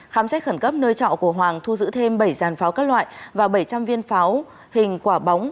khám xét khẩn cấp nơi trọ của hoàng thu giữ thêm bảy giàn pháo các loại và bảy trăm linh viên pháo hình quả bóng